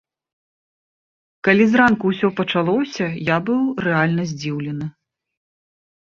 Калі зранку ўсё пачалося, я быў рэальна здзіўлены.